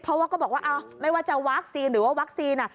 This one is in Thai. เพราะว่าก็บอกว่าไม่ว่าจะวัคซีนหรือว่าวัคซีน